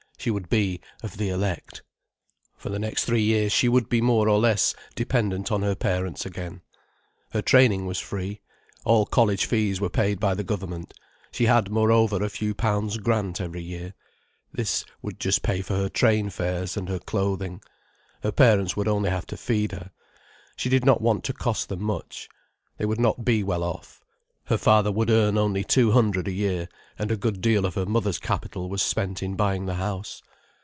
She would be of the elect. For the next three years she would be more or less dependent on her parents again. Her training was free. All college fees were paid by the government, she had moreover a few pounds grant every year. This would just pay for her train fares and her clothing. Her parents would only have to feed her. She did not want to cost them much. They would not be well off. Her father would earn only two hundred a year, and a good deal of her mother's capital was spent in buying the house.